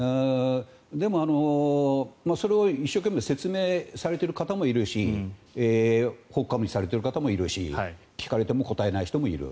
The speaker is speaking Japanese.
でも、それを一生懸命説明されている方もいるしほっかむりしている人もいるし聞かれても答えない人もいる。